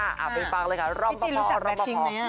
อ่ะไปฟังเลยค่ะอ่ะรอมปะพอรอมปะพอนี่นู้จักแบ็คทิ้งไหนน่ะ